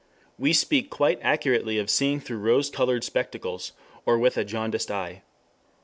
We speak quite accurately of seeing through rose colored spectacles, or with a jaundiced eye.